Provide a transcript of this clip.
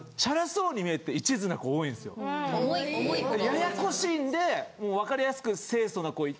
ややこしいんで分かりやすく。